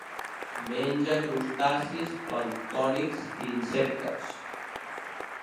Menja crustacis planctònics i insectes.